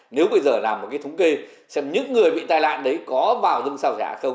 nếu bây giờ làm một cái thống kê xem những người bị tai nạn đấy có vào những sao giải hạn không